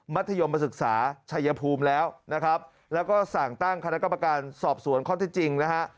ธยมศึกษาชัยภูมิแล้วนะครับแล้วก็สั่งตั้งคณะกรรมการสอบสวนข้อที่จริงนะฮะ